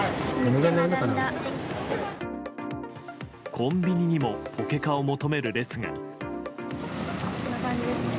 コンビニにもポケカを求める列が。